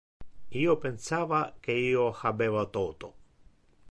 Io pensava que io habeva toto.